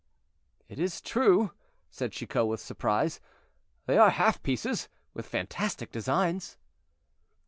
"It is true," said Chicot, with surprise: "they are half pieces, with fantastic designs."